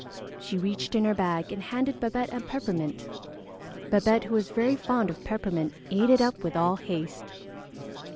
She reached in her bag and handed Babette a peppermint. Babette, who was very fond of peppermint, ate it up with all haste.